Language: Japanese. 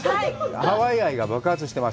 ハワイ愛が爆発してます！